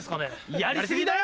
やり過ぎだよ！